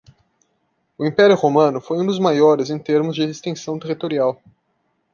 O Império Romano foi um dos maiores em termos de extensão territorial